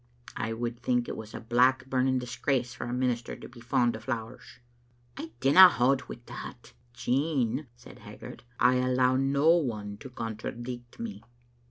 " I would think it was a black burning disgrace for a minister to be fond o' flowers." " I dinna baud wi' that." "Jean," said Haggart, "I allow no one to contradict me.